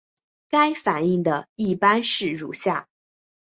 该反应的一般式如下。